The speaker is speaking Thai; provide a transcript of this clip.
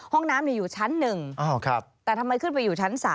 ห้องน้ำอยู่ชั้น๑แต่ทำไมขึ้นไปอยู่ชั้น๓